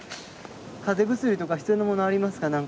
風邪薬とか必要なものありますか？